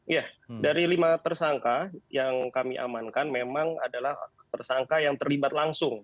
ya dari lima tersangka yang kami amankan memang adalah tersangka yang terlibat langsung